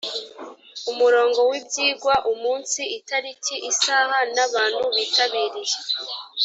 umurongo w’ibyigwa umunsi itariki isaha n’abantu bitabiriye